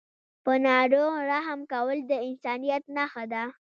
په ناروغ رحم کول د انسانیت نښه ده.